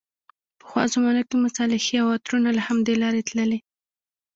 پخوا زمانو کې مصالحې او عطرونه له همدې لارې تللې.